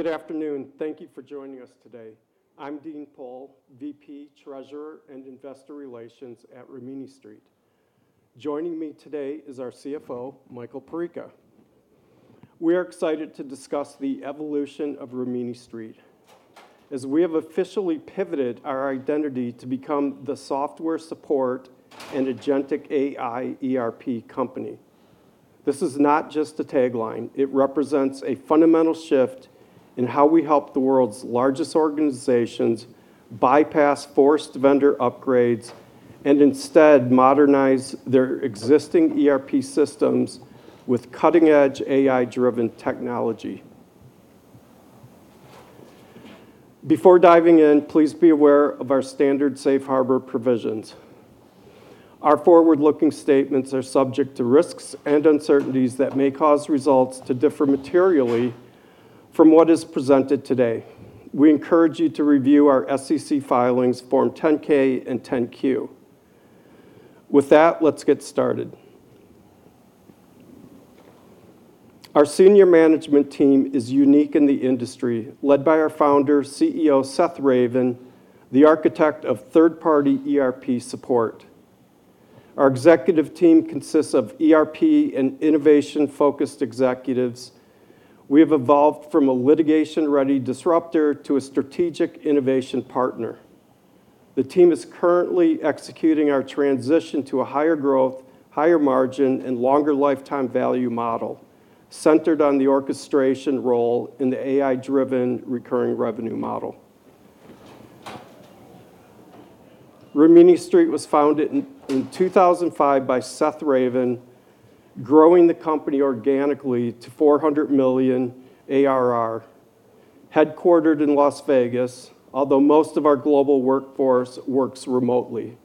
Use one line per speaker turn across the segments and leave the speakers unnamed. Good afternoon. Thank you for joining us today. I'm Dean Pohl, VP, Treasurer, and Investor Relations at Rimini Street. Joining me today is our CFO, Michael Perica. We are excited to discuss the evolution of Rimini Street as we have officially pivoted our identity to become the software support and Agentic AI ERP company. This is not just a tagline. It represents a fundamental shift in how we help the world's largest organizations bypass forced vendor upgrades and instead modernize their existing ERP systems with cutting-edge AI-driven technology. Before diving in, please be aware of our standard safe harbor provisions. Our forward-looking statements are subject to risks and uncertainties that may cause results to differ materially from what is presented today. We encourage you to review our SEC filings, Form 10-K and 10-Q. With that, let's get started. Our senior management team is unique in the industry, led by our founder, CEO Seth Ravin, the architect of third-party ERP support. Our executive team consists of ERP and innovation-focused executives. We have evolved from a litigation-ready disruptor to a strategic innovation partner. The team is currently executing our transition to a higher growth, higher margin, and longer lifetime value model centered on the orchestration role in the AI-driven recurring revenue model. Rimini Street was founded in 2005 by Seth Ravin, growing the company organically to $400 million ARR. Headquartered in Las Vegas, although most of our global workforce works remotely.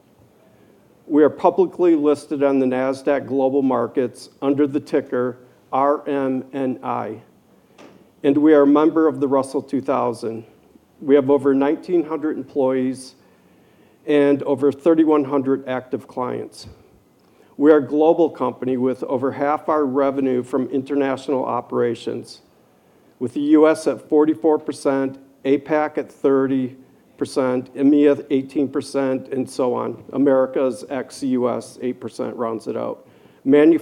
We are publicly listed on the Nasdaq Global Market under the ticker RMNI, and we are a member of the Russell 2000. We have over 1,900 employees and over 3,100 active clients. We are a global company with over half our revenue from international operations, with the U.S. at 44%, APAC at 30%, EMEA at 18%, and so on. Americas ex-U.S., eight percent rounds it out. Revenue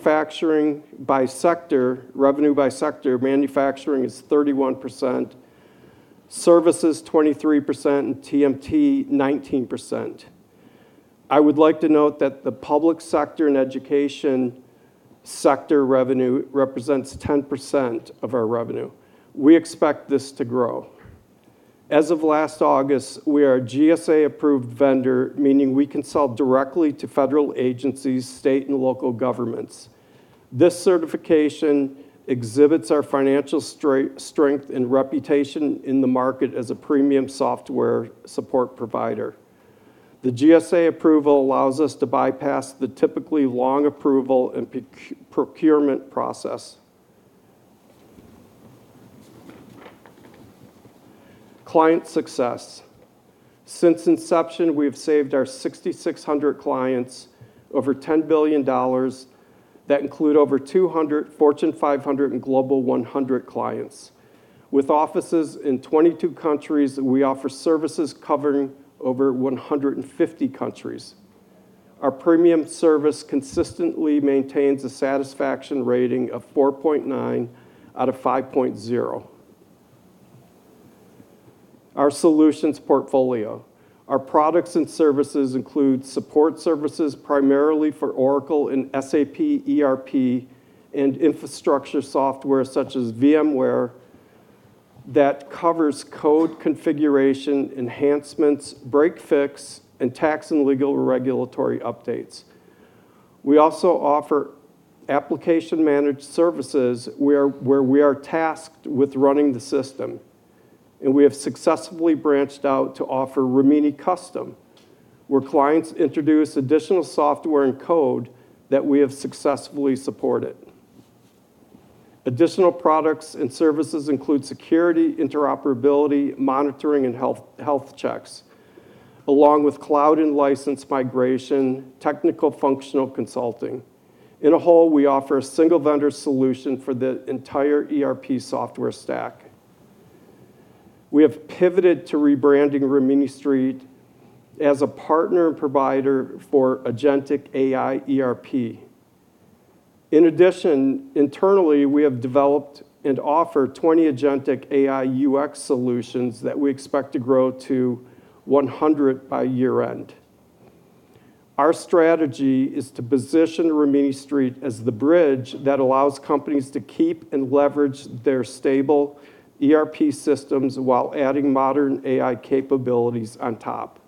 by sector, manufacturing is 31%, services 23%, and TMT 19%. I would like to note that the public sector and education sector revenue represents 10% of our revenue. We expect this to grow. As of last August, we are a GSA-approved vendor, meaning we can sell directly to federal agencies, state and local governments. This certification exhibits our financial strength and reputation in the market as a premium software support provider. The GSA approval allows us to bypass the typically long approval and procurement process. Client success. Since inception, we have saved our 6,600 clients over $10 billion. That include over 200 Fortune 500 and Global 100 clients. With offices in 22 countries, we offer services covering over 150 countries. Our premium service consistently maintains a satisfaction rating of four point nine out of five point zero. Our solutions portfolio. Our products and services include support services primarily for Oracle and SAP ERP and infrastructure software such as VMware that covers code configuration, enhancements, break/fix, and tax and legal regulatory updates. We also offer application managed services where we are tasked with running the system, and we have successfully branched out to offer Rimini Custom, where clients introduce additional software and code that we have successfully supported. Additional products and services include security, interoperability, monitoring, and health checks, along with cloud and license migration, technical-functional consulting. In a whole, we offer a single-vendor solution for the entire ERP software stack. We have pivoted to rebranding Rimini Street as a partner and provider for Agentic AI ERP. In addition, internally, we have developed and offer 20 Agentic AI UX solutions that we expect to grow to 100 by year-end. Our strategy is to position Rimini Street as the bridge that allows companies to keep and leverage their stable ERP systems while adding modern AI capabilities on top.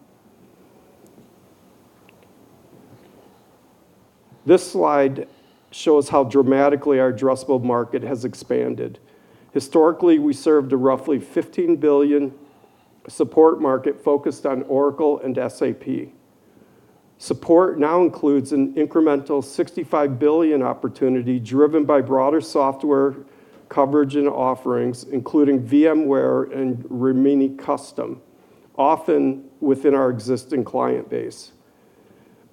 This slide shows how dramatically our addressable market has expanded. Historically, we served a roughly $15 billion support market focused on Oracle and SAP. Support now includes an incremental $65 billion opportunity driven by broader software coverage and offerings, including VMware and Rimini Custom, often within our existing client base.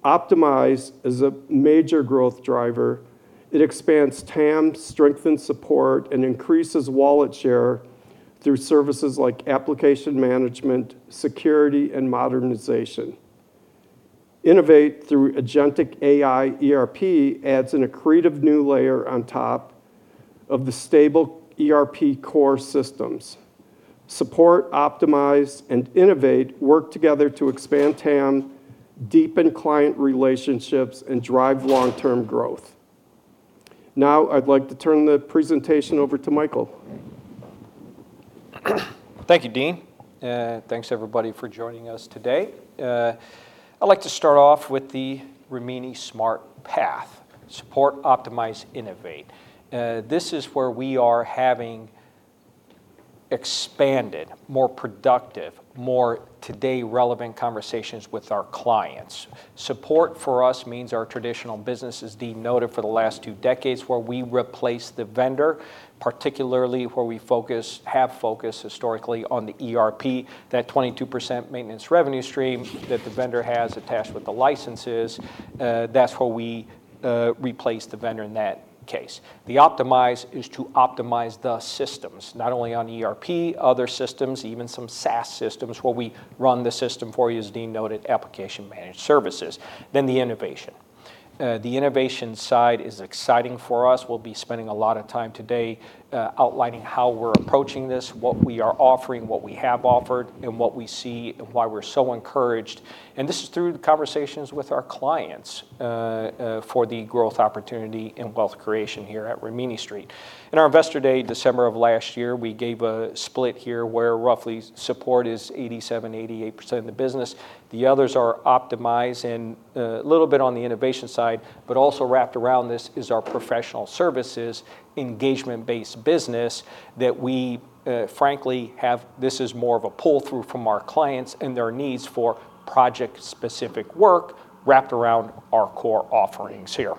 Optimize is a major growth driver. It expands TAM, strengthens support, and increases wallet share through services like application management, security, and modernization. Innovate through Agentic AI ERP adds an accretive new layer on top of the stable ERP core systems. Support, optimize, and innovate work together to expand TAM, deepen client relationships, and drive long-term growth. Now I'd like to turn the presentation over to Michael.
Thank you, Dean. Thanks everybody for joining us today. I'd like to start off with the Rimini Smart Path, support, optimize, innovate. This is where we are having expanded, more productive, more today relevant conversations with our clients. Support for us means our traditional business, as Dean noted, for the last two decades, where we replace the vendor, particularly where we focus, have focused historically on the ERP, that 22% maintenance revenue stream that the vendor has attached with the licenses. That's where we replace the vendor in that case. The optimize is to optimize the systems, not only on ERP, other systems, even some SaaS systems where we run the system for you, as Dean noted, application managed services. The innovation. The innovation side is exciting for us. We'll be spending a lot of time today outlining how we're approaching this, what we are offering, what we have offered, what we see, and why we're so encouraged. This is through the conversations with our clients for the growth opportunity and wealth creation here at Rimini Street. In our Investor Day, December of last year, we gave a split here where roughly support is 87%, 88% of the business. The others are optimize and a little bit on the innovation side, but also wrapped around this is our professional services engagement-based business that we frankly have. This is more of a pull-through from our clients and their needs for project-specific work wrapped around our core offerings here.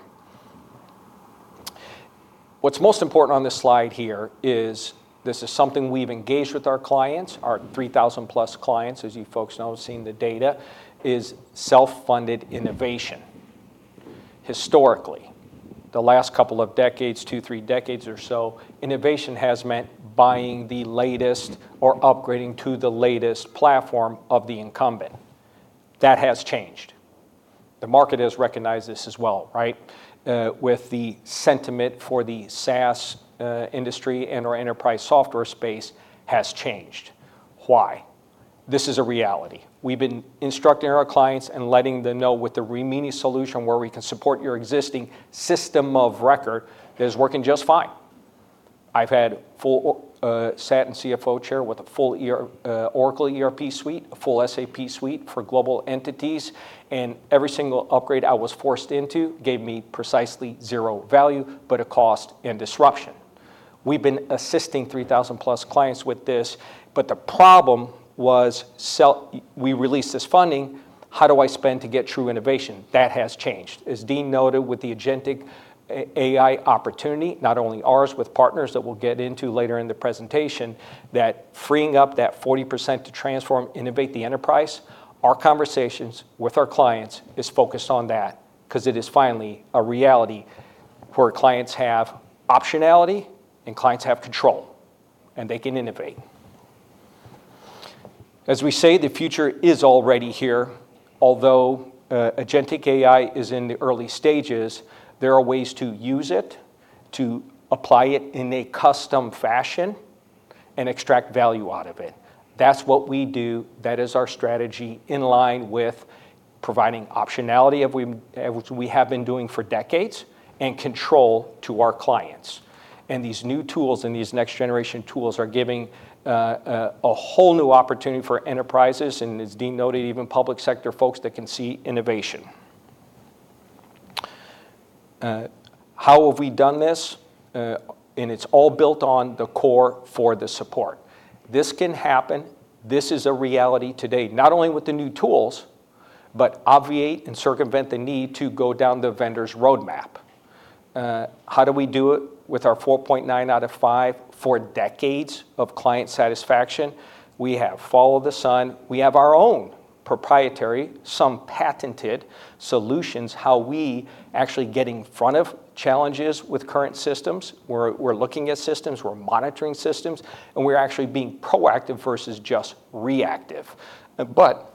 What's most important on this slide here is this is something we've engaged with our clients, our 3,000+ clients, as you folks know, seeing the data, is self-funded innovation. Historically, the last couple of decades, two, three decades or so, innovation has meant buying the latest or upgrading to the latest platform of the incumbent. That has changed. The market has recognized this as well, right? With the sentiment for the SaaS industry and our enterprise software space has changed. Why? This is a reality. We've been instructing our clients and letting them know with the Rimini solution where we can support your existing system of record that is working just fine. I've had full, sat in CFO chair with a full Oracle ERP suite, a full SAP suite for global entities, and every single upgrade I was forced into gave me precisely zero value, but a cost and disruption. We've been assisting 3,000+ clients with this, the problem was we release this funding, how do I spend to get true innovation? That has changed. As Dean noted with the Agentic AI opportunity, not only ours, with partners that we'll get into later in the presentation, that freeing up that 40% to transform, innovate the enterprise, our conversations with our clients is focused on that 'cause it is finally a reality where clients have optionality and clients have control, and they can innovate. As we say, the future is already here. Although Agentic AI is in the early stages, there are ways to use it, to apply it in a custom fashion and extract value out of it. That's what we do. That is our strategy in line with providing optionality of we, which we have been doing for decades, and control to our clients. These new tools and these next generation tools are giving a whole new opportunity for enterprises, and as Dean noted, even public sector folks that can see innovation. How have we done this? It's all built on the core for the support. This can happen. This is a reality today, not only with the new tools, but obviate and circumvent the need to go down the vendor's roadmap. How do we do it? With our four point nine out of five for decades of client satisfaction. We have follow-the-sun. We have our own proprietary, some patented, solutions, how we actually get in front of challenges with current systems. We're looking at systems, we're monitoring systems, and we're actually being proactive versus just reactive.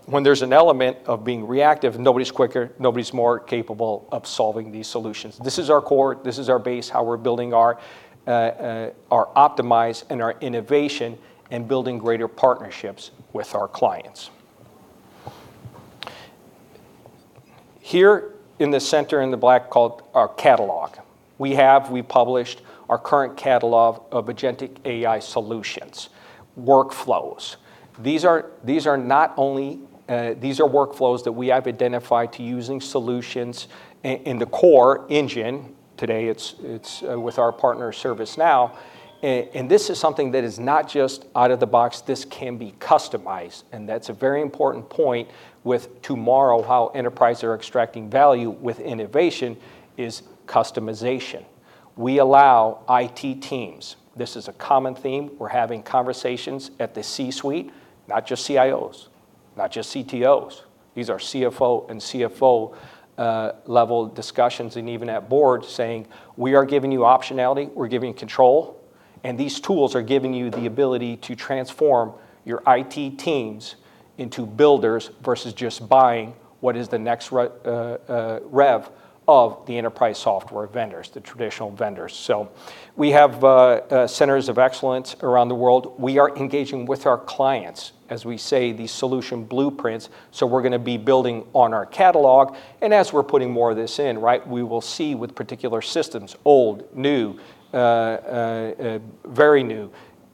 When there's an element of being reactive, nobody's quicker, nobody's more capable of solving these solutions. This is our core. This is our base, how we're building our optimize and our innovation and building greater partnerships with our clients. Here in the center in the black called our catalog. We published our current catalog of Agentic AI solutions, workflows. These are not only, these are workflows that we have identified to using solutions in the core engine. Today, it's with our partner ServiceNow. This is something that is not just out of the box, this can be customized, and that's a very important point with tomorrow, how enterprise are extracting value with innovation is customization. We allow IT teams. This is a common theme. We're having conversations at the C-suite, not just CIOs, not just CTOs. These are CFO and CFO level discussions and even at boards saying, "We are giving you optionality, we're giving control, and these tools are giving you the ability to transform your IT teams into builders versus just buying what is the next rev of the enterprise software vendors, the traditional vendors." We have centers of excellence around the world. We are engaging with our clients, as we say, the solution blueprints, we're gonna be building on our catalog. As we're putting more of this in, right, we will see with particular systems, old, new, very new,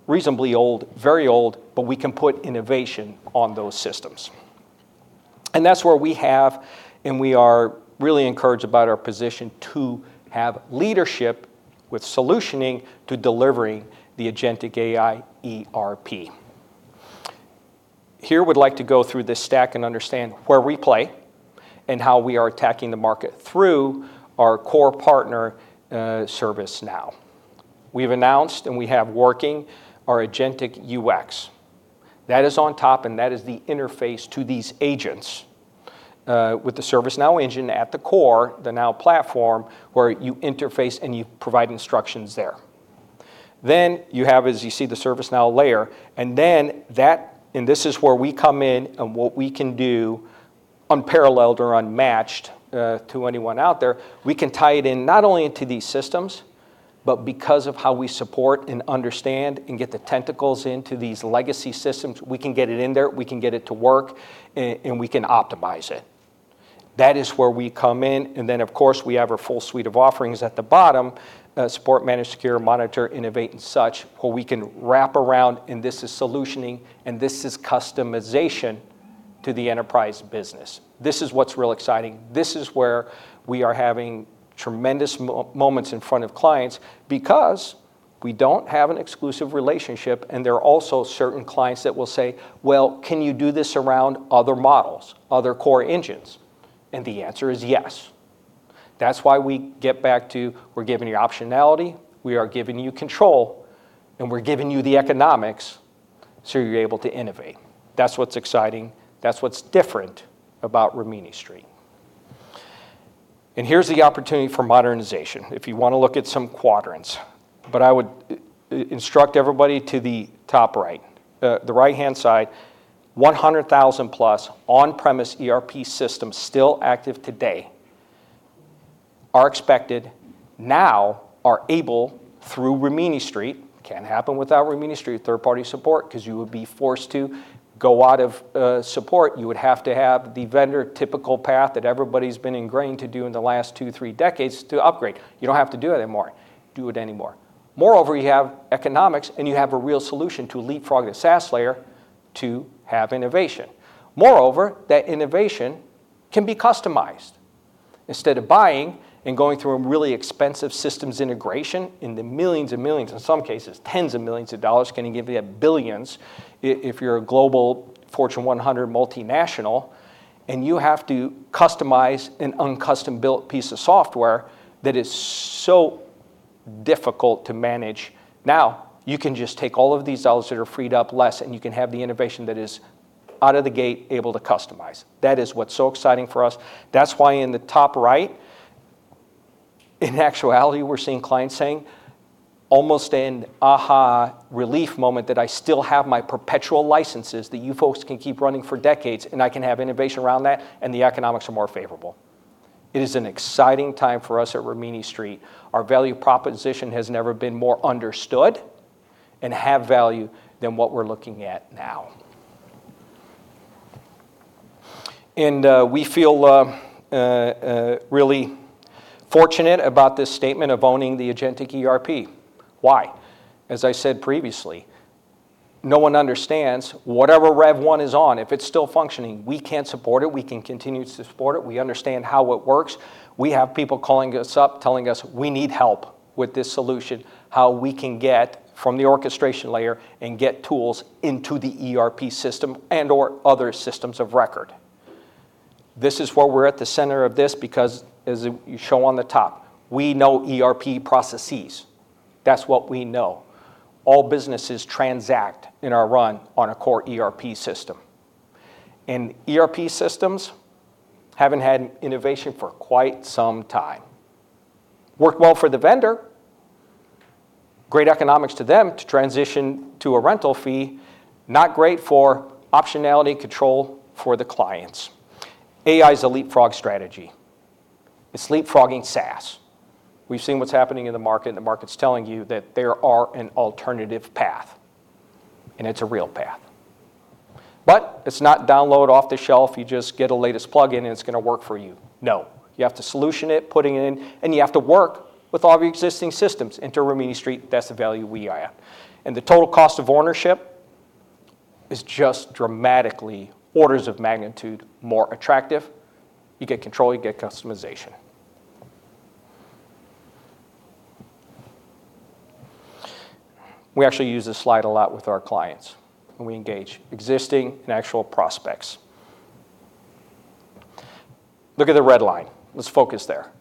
reasonably old, very old, but we can put innovation on those systems. That's where we have, and we are really encouraged about our position to have leadership with solutioning to delivering the Agentic AI ERP. Here we'd like to go through this stack and understand where we play and how we are attacking the market through our core partner, ServiceNow. We've announced and we have working our Agentic UX. That is on top, and that is the interface to these agents, with the ServiceNow engine at the core, the Now Platform, where you interface and you provide instructions there. You have, as you see, the ServiceNow layer. This is where we come in and what we can do, unparalleled or unmatched, to anyone out there. We can tie it in not only into these systems, but because of how we support and understand and get the tentacles into these legacy systems, we can get it in there, we can get it to work, and we can optimize it. That is where we come in. Of course, we have our full suite of offerings at the bottom, support, manage, secure, monitor, innovate and such, where we can wrap around, and this is solutioning, and this is customization to the enterprise business. This is what's real exciting. This is where we are having tremendous moments in front of clients because we don't have an exclusive relationship. There are also certain clients that will say, "Well, can you do this around other models, other core engines?" The answer is yes. That's why we get back to we're giving you optionality, we are giving you control, and we're giving you the economics so you're able to innovate. That's what's exciting. That's what's different about Rimini Street. Here's the opportunity for modernization, if you wanna look at some quadrants. I would instruct everybody to the top right. The right-hand side, 100,000 plus on-premise ERP systems still active today are expected, now are able, through Rimini Street, can't happen without Rimini Street third-party support 'cause you would be forced to go out of support. You would have to have the vendor typical path that everybody's been ingrained to do in the last two, three decades to upgrade. You don't have to do it anymore. Do it anymore. You have economics, and you have a real solution to leapfrog the SaaS layer to have innovation. That innovation can be customized. Instead of buying and going through a really expensive systems integration in the $ millions and millions, in some cases $ tens of millions, can even be at $ billions if you're a global Fortune 100 multinational, and you have to customize an uncustom-built piece of software that is so difficult to manage. You can just take all of these dollars that are freed up less, and you can have the innovation that is out of the gate able to customize. That is what's so exciting for us. That's why in the top right, in actuality, we're seeing clients saying almost an aha relief moment that I still have my perpetual licenses that you folks can keep running for decades, and I can have innovation around that, and the economics are more favorable. It is an exciting time for us at Rimini Street. Our value proposition has never been more understood and have value than what we're looking at now. We feel really fortunate about this statement of owning the Agentic ERP. Why? As I said previously, no one understands whatever rev one is on. If it's still functioning, we can support it. We can continue to support it. We understand how it works. We have people calling us up telling us, "We need help with this solution, how we can get from the orchestration layer and get tools into the ERP system and or other systems of record." This is where we're at the center of this because as you show on the top, we know ERP processes. That's what we know. All businesses transact and are run on a core ERP system. ERP systems haven't had innovation for quite some time. Worked well for the vendor. Great economics to them to transition to a rental fee. Not great for optionality control for the clients. AI's a leapfrog strategy. It's leapfrogging SaaS. We've seen what's happening in the market, and the market's telling you that there are an alternative path, and it's a real path. It's not download off the shelf, you just get a latest plugin and it's going to work for you. No. You have to solution it, putting it in, and you have to work with all the existing systems into Rimini Street. That's the value we are at. The total cost of ownership is just dramatically orders of magnitude more attractive. You get control, you get customization. We actually use this slide a lot with our clients when we engage existing and actual prospects. Look at the red line. Let's focus there.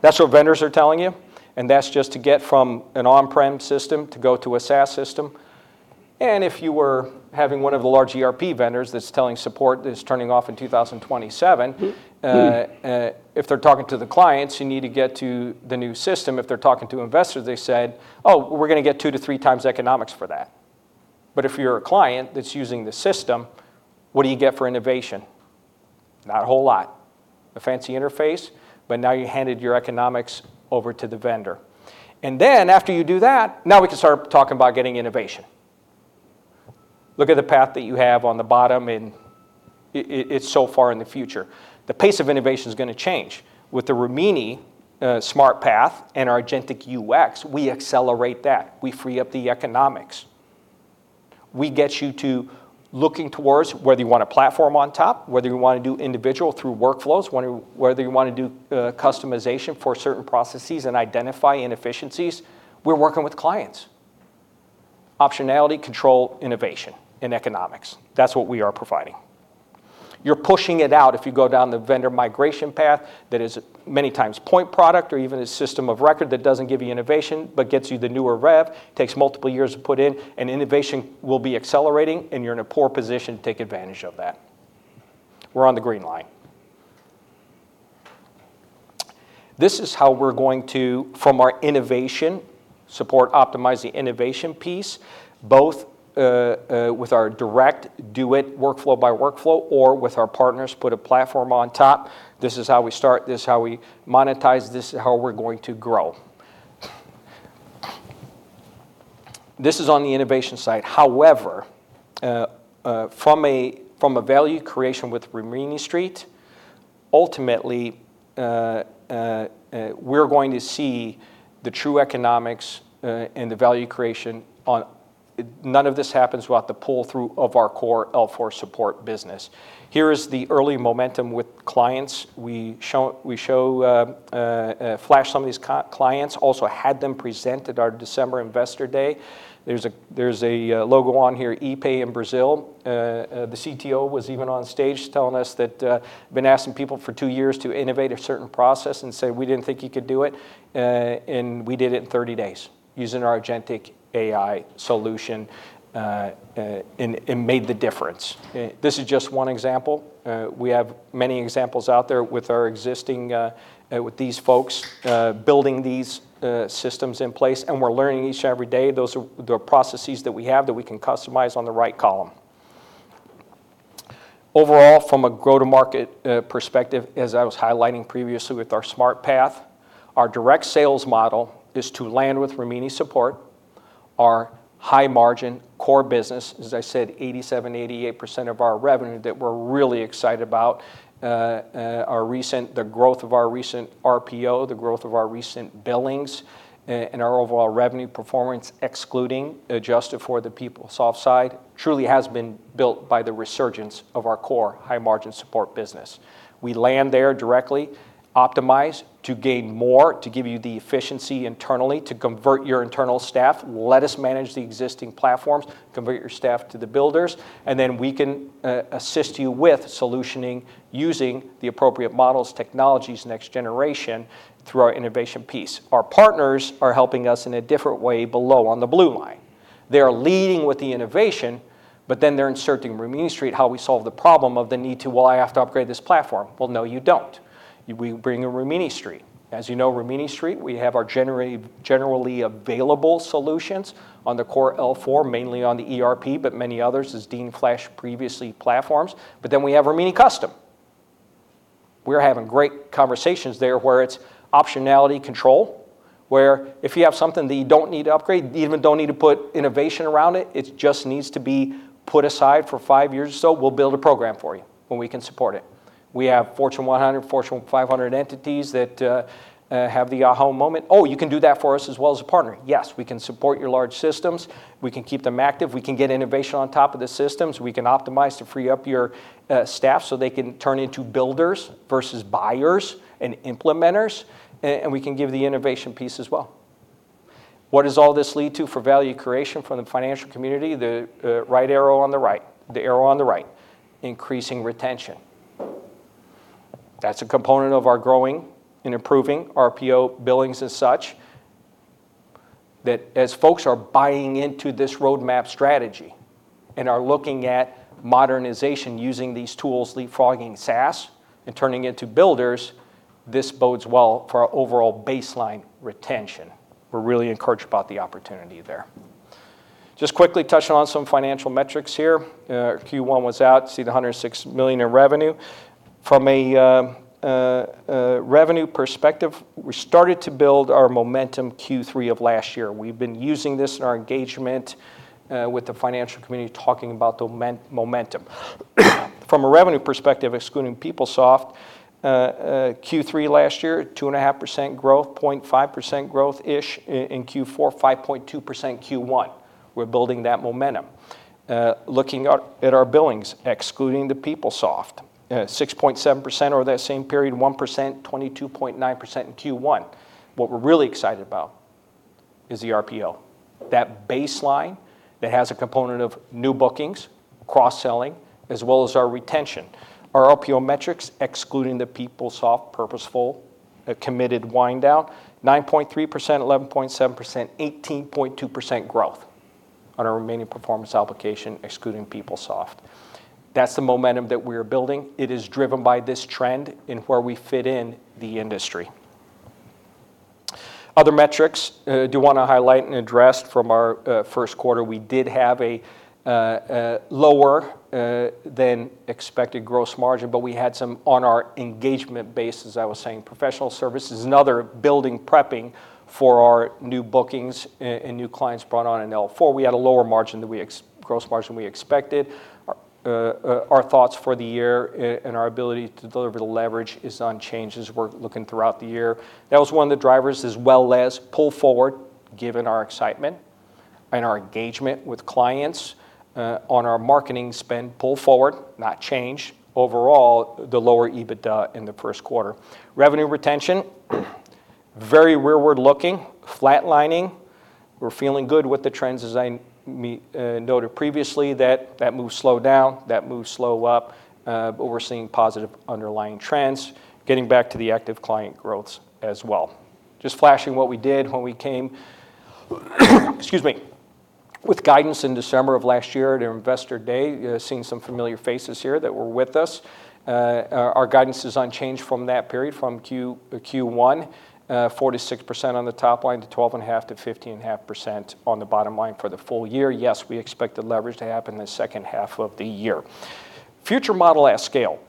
That's what vendors are telling you, and that's just to get from an on-prem system to go to a SaaS system. If you were having one of the large ERP vendors that's telling support that's turning off in 2027. If they're talking to the clients, "You need to get to the new system." If they're talking to investors, they said, "Oh, we're gonna get two to three times economics for that." If you're a client that's using the system, what do you get for innovation? Not a whole lot. A fancy interface, but now you handed your economics over to the vendor. After you do that, now we can start talking about getting innovation. Look at the path that you have on the bottom, and it's so far in the future. The pace of innovation is gonna change. With the Rimini Smart Path and our Agentic UX, we accelerate that. We free up the economics. We get you to looking towards whether you want a platform on top, whether you wanna do individual through workflows, whether you wanna do customization for certain processes and identify inefficiencies. We're working with clients. Optionality, control, innovation and economics. That's what we are providing. You're pushing it out if you go down the vendor migration path that is many times point product or even a system of record that doesn't give you innovation but gets you the newer rev, takes multiple years to put in, and innovation will be accelerating and you're in a poor position to take advantage of that. We're on the green line. This is how we're going to, from our innovation, support optimize the innovation piece, both with our direct do it workflow by workflow or with our partners, put a platform on top. This is how we start, this is how we monetize, this is how we're going to grow. This is on the innovation side. However, from a, from a value creation with Rimini Street, ultimately, we're going to see the true economics. None of this happens without the pull-through of our core L4 support business. Here is the early momentum with clients. We show flash some of these clients, also had them present at our December investor day. There's a logo on here, epay in Brazil. The CTO was even on stage telling us that, "Been asking people for two years to innovate a certain process and said we didn't think you could do it, and we did it in 30 days using our Agentic AI solution, and it made the difference." This is just one example. We have many examples out there with our existing, with these folks, building these systems in place, and we're learning each and every day. Those are the processes that we have that we can customize on the right column. Overall, from a go-to-market perspective, as I was highlighting previously with our Smart Path, our direct sales model is to land with Rimini support, our high margin core business. As I said, 87%, 88% of our revenue that we're really excited about. The growth of our recent RPO, our recent billings, and our overall revenue performance, excluding, adjusted for the PeopleSoft side, truly has been built by the resurgence of our core high margin support business. We land there directly, optimize to gain more, to give you the efficiency internally to convert your internal staff. Let us manage the existing platforms, convert your staff to the builders, and then we can assist you with solutioning using the appropriate models, technologies, next generation through our innovation piece. Our partners are helping us in a different way below on the blue line. They are leading with the innovation, but then they're inserting Rimini Street, how we solve the problem of the need to, Well, I have to upgrade this platform. Well, no, you don't. We bring a Rimini Street. Rimini Street, we have our generally available solutions on the core L4, mainly on the ERP, but many others, as Dean flashed previously, platforms. We have Rimini Custom. We're having great conversations there where it's optionality control, where if you have something that you don't need to upgrade, you even don't need to put innovation around it just needs to be put aside for five years or so, we'll build a program for you when we can support it. We have Fortune 100, Fortune 500 entities that have the aha moment. "Oh, you can do that for us as well as a partner." Yes, we can support your large systems. We can keep them active. We can get innovation on top of the systems. We can optimize to free up your staff so they can turn into builders versus buyers and implementers. We can give the innovation piece as well. What does all this lead to for value creation from the financial community? The right arrow on the right. The arrow on the right. Increasing retention. That's a component of our growing and improving RPO billings and such, that as folks are buying into this roadmap strategy and are looking at modernization using these tools, leapfrogging SaaS and turning into builders, this bodes well for our overall baseline retention. We're really encouraged about the opportunity there. Just quickly touching on some financial metrics here. Q1 was out. See the $106 million in revenue. From a revenue perspective, we started to build our momentum Q3 of last year. We've been using this in our engagement with the financial community talking about the momentum. From a revenue perspective, excluding PeopleSoft, Q3 last year, two point five percent growth, zero point five percent growth-ish. In Q4, five point two percent Q1. We're building that momentum. Looking at our billings, excluding the PeopleSoft, six point seven percent over that same period, one percent, 22.9% in Q1. What we're really excited about is the RPO. That baseline that has a component of new bookings, cross-selling, as well as our retention. Our RPO metrics, excluding the PeopleSoft purposeful, committed wind down, nine point three percent, 11.7%, 18.2% growth on our remaining performance obligation excluding PeopleSoft. That's the momentum that we're building. It is driven by this trend in where we fit in the industry. Other metrics, do wanna highlight and address from our first quarter, we did have a lower than expected gross margin, but we had some on our engagement base, as I was saying, professional services. Another building prepping for our new bookings and new clients brought on in L4. We had a lower margin than we gross margin we expected. Our thoughts for the year and our ability to deliver the leverage is unchanged as we're looking throughout the year. That was one of the drivers, as well as pull forward, given our excitement and our engagement with clients, on our marketing spend pull forward, not change. Overall, the lower EBITDA in the first quarter. Revenue retention, very rearward-looking, flatlining. We're feeling good with the trends, as I noted previously, that move slowed down, that move slow up. We're seeing positive underlying trends, getting back to the active client growth as well. Just flashing what we did when we came. Excuse me. With guidance in December of last year at our Investor Day, seeing some familiar faces here that were with us. Our guidance is unchanged from that period, from Q1, four to six percent on the top line to 12.5%-15.5% on the bottom line for the full year. Yes, we expect the leverage to happen the second half of the year. Future model at scale.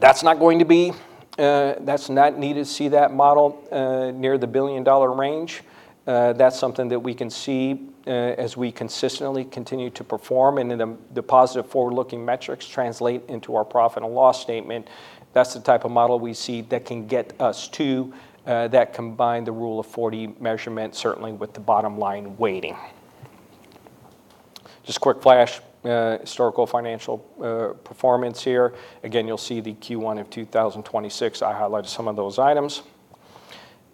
That's not going to be, that's not needed to see that model near the billion-dollar range. That's something that we can see as we consistently continue to perform and then the positive forward-looking metrics translate into our profit and loss statement. That's the type of model we see that can get us to that combined Rule of 40 measurement, certainly with the bottom line weighting. Just a quick flash, historical financial performance here. Again, you'll see the Q1 of 2026. I highlighted some of those items.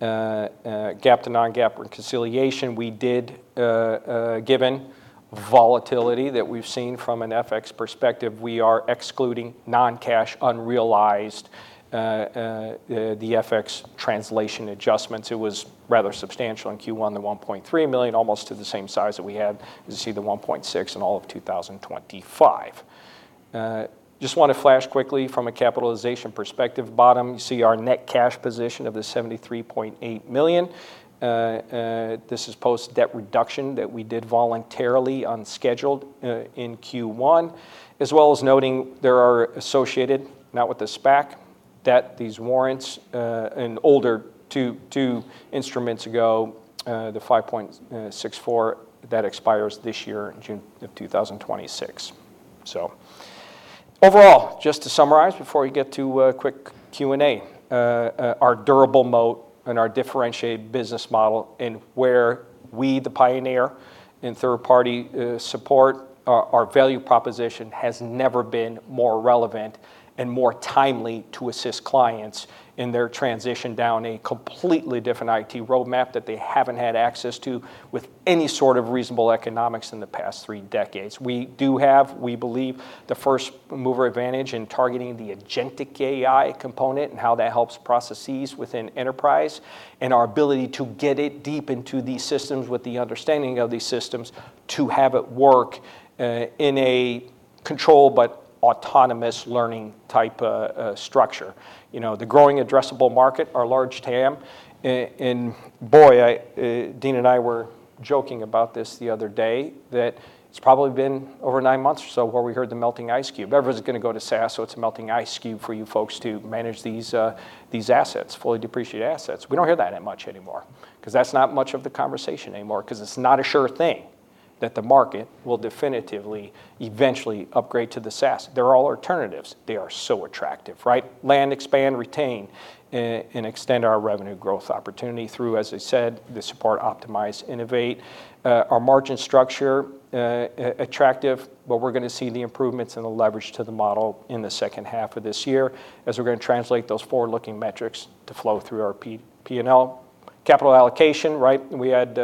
GAAP to non-GAAP reconciliation. We did, given volatility that we've seen from an FX perspective, we are excluding non-cash unrealized FX translation adjustments. It was rather substantial in Q1, the $1.3 million, almost to the same size that we had. You see the $1.6 in all of 2025. Just wanna flash quickly from a capitalization perspective. Bottom, you see our net cash position of the $73.8 million. This is post-debt reduction that we did voluntarily on scheduled in Q1, as well as noting there are associated, not with the SPAC, debt, these warrants, and older two instruments ago, the $5.64. That expires this year in June of 2026. Overall, just to summarize before we get to a quick Q&A, our durable moat and our differentiated business model and where we, the pioneer in third-party support, our value proposition has never been more relevant and more timely to assist clients in their transition down a completely different IT roadmap that they haven't had access to with any sort of reasonable economics in the past three decades. We do have, we believe, the first mover advantage in targeting the Agentic AI component and how that helps processes within enterprise and our ability to get it deep into these systems with the understanding of these systems to have it work in a controlled but autonomous learning type structure. You know, the growing addressable market, our large TAM, and boy, Dean and I were joking about this the other day, that it's probably been over nine months or so where we heard the melting ice cube. Everyone's gonna go to SaaS, so it's a melting ice cube for you folks to manage these assets, fully depreciate assets. We don't hear that much anymore 'cause that's not much of the conversation anymore 'cause it's not a sure thing that the market will definitively, eventually upgrade to the SaaS. There are alternatives. They are so attractive, right? Land, expand, retain, and extend our revenue growth opportunity through, as I said, the support, optimize, innovate. Our margin structure attractive, but we're going to see the improvements and the leverage to the model in the second half of this year as we're going to translate those forward-looking metrics to flow through our P&L. Capital allocation, right? We had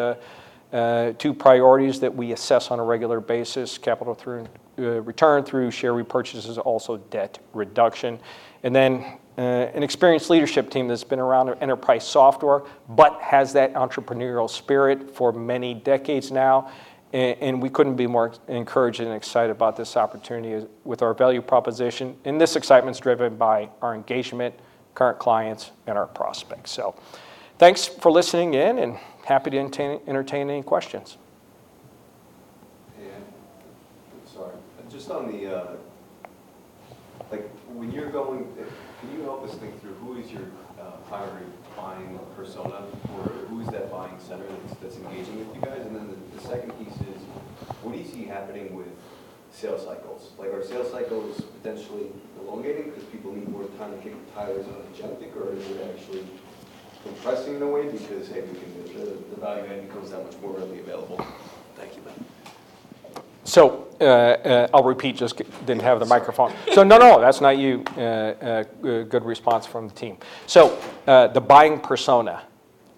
two priorities that we assess on a regular basis, capital through return through share repurchases, also debt reduction. Then an experienced leadership team that's been around enterprise software but has that entrepreneurial spirit for many decades now. We couldn't be more encouraged and excited about this opportunity with our value proposition. This excitement's driven by our engagement, current clients, and our prospects. Thanks for listening in and happy to entertain any questions.
Hey, sorry. Just on the Like, Can you help us think through who is your primary buying persona or who is that buying center that's engaging with you guys? The second piece is, what do you see happening with sales cycles, like are sales cycles potentially elongating because people need more time to kick the tires on Agentic, or is it actually compressing in a way because, hey, we can get to the value add becomes that much more readily available? Thank you.
I'll repeat, just didn't have the microphone.
Sorry.
No, no, that's not you. Good response from the team. The buying persona,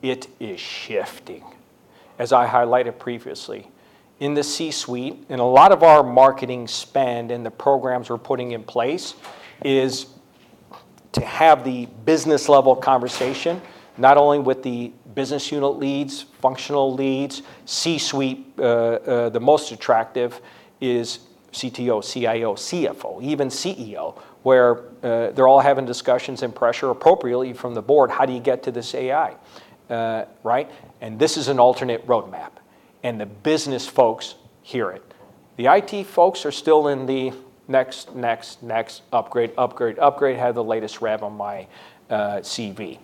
it is shifting, as I highlighted previously. In the C-suite, and a lot of our marketing spend and the programs we're putting in place, is to have the business-level conversation, not only with the business unit leads, functional leads, C-suite. The most attractive is CTO, CIO, CFO, even CEO, where they're all having discussions and pressure appropriately from the board, "How do you get to this AI?" Right? This is an alternate roadmap, and the business folks hear it. The IT folks are still in the next, next, upgrade, upgrade, have the latest rev on my CV.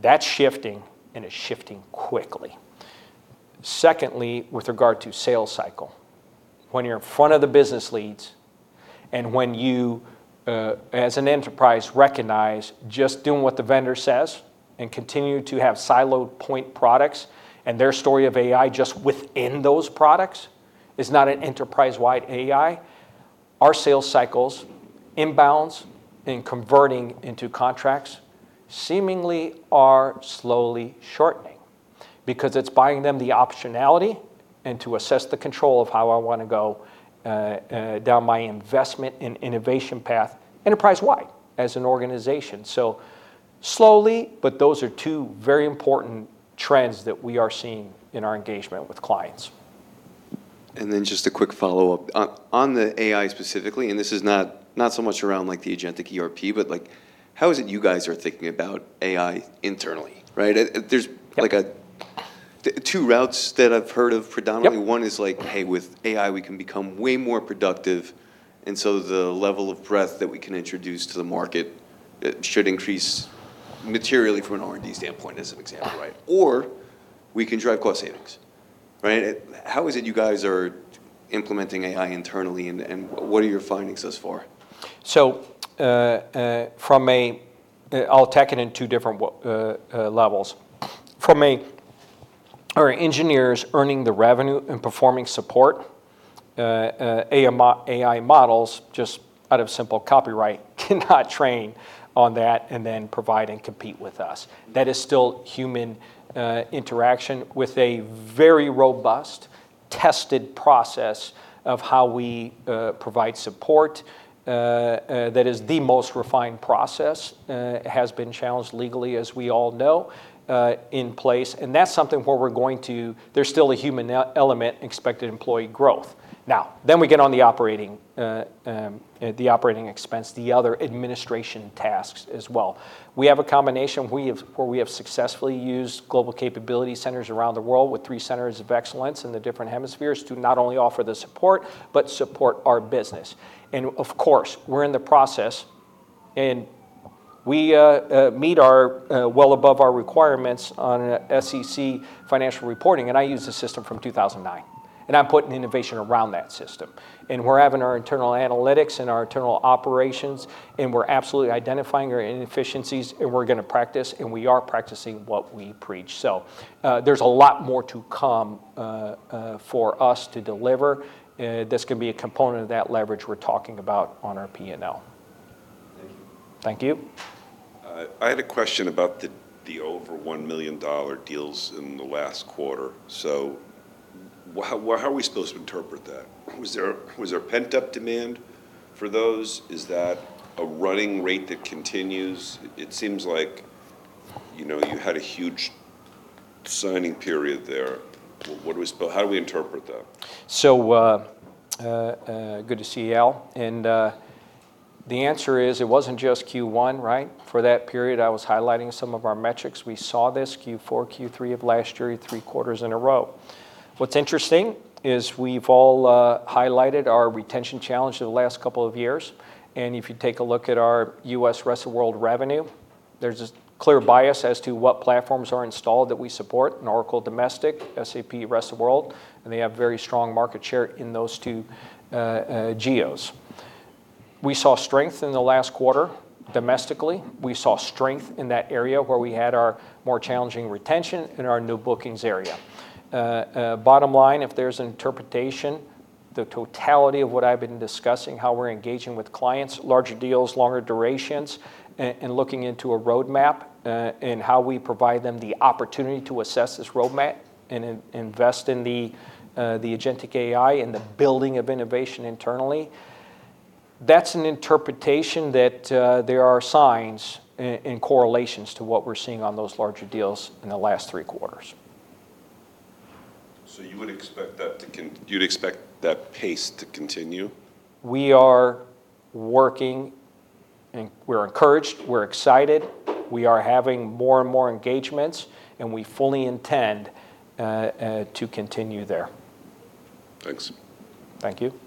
That's shifting, and it's shifting quickly. Secondly, with regard to sales cycle. When you're in front of the business leads, and when you as an enterprise recognize just doing what the vendor says, and continue to have siloed point products, and their story of AI just within those products is not an enterprise-wide AI, our sales cycles, inbounds, and converting into contracts seemingly are slowly shortening, because it's buying them the optionality and to assess the control of how I wanna go down my investment and innovation path enterprise-wide as an organization. Slowly, but those are two very important trends that we are seeing in our engagement with clients.
Just a quick follow-up. On the AI specifically, and this is not so much around, like, the Agentic ERP, but, like, how is it you guys are thinking about AI internally, right? There's like, the two routes that I've heard of predominantly. One is like, "Hey, with AI, we can become way more productive, the level of breadth that we can introduce to the market, it should increase materially from an R&D standpoint," as an example, right? We can drive cost savings, right? How is it you guys are implementing AI internally, and what are your findings thus far?
From a, I'll tack it in two different levels. From a, our engineers earning the revenue and performing support, AI models, just out of simple copyright, cannot train on that and then provide and compete with us. That is still human interaction with a very robust, tested process of how we provide support. That is the most refined process. It has been challenged legally, as we all know, in place. That's something where we're going to, there's still a human element, expected employee growth. We get on the operating, the operating expense, the other administration tasks as well. We have a combination. We have successfully used global capability centers around the world with three centers of excellence in the different hemispheres to not only offer the support, but support our business. Of course, we're in the process, and we meet our well above our requirements on SEC financial reporting, and I use the system from 2009. I'm putting innovation around that system. We're having our internal analytics and our internal operations, and we're absolutely identifying our inefficiencies, and we're gonna practice, and we are practicing what we preach. There's a lot more to come for us to deliver. That's gonna be a component of that leverage we're talking about on our P&L.
Thank you.
I had a question about the over $1 million deals in the last quarter. How are we supposed to interpret that? Was there pent-up demand for those? Is that a running rate that continues? It seems like, you know, you had a huge signing period there. How do we interpret that?
Good to see you. The answer is, it wasn't just Q1, right? For that period, I was highlighting some of our metrics. We saw this Q4, Q3 of last year, three quarters in a row. What's interesting is we've all highlighted our retention challenge the last couple of years. If you take a look at our U.S. rest of world revenue, there's a clear bias as to what platforms are installed that we support, Oracle domestic, SAP rest of world, and they have very strong market share in those two geos. We saw strength in the last quarter domestically. We saw strength in that area where we had our more challenging retention in our new bookings area. Bottom line, if there's an interpretation, the totality of what I've been discussing, how we're engaging with clients, larger deals, longer durations, and looking into a roadmap, and how we provide them the opportunity to assess this roadmap and invest in the Agentic AI and the building of innovation internally, that's an interpretation that there are signs and correlations to what we're seeing on those larger deals in the last three quarters.
You would expect that pace to continue?
We are working and we're encouraged, we're excited. We are having more and more engagements, and we fully intend to continue there.
Thanks.
Thank you.